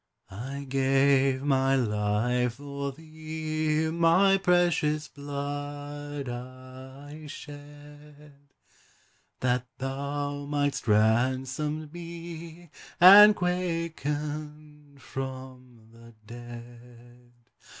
I gave my life for thee, My precious blood I shed That thou mightst ransomed be, And quickened from the dead.